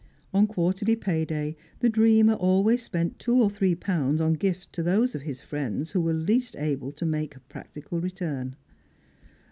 On quarterly pay day the dreamer always spent two or three pounds on gifts to those of his friends who were least able to make practical return.